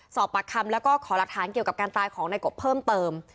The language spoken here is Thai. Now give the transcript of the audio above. สอบปากคำแล้วก็ขอหลักฐานเกี่ยวกับการตายของนายกบเพิ่มเติม